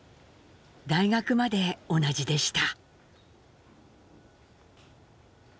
大学まで同じでした。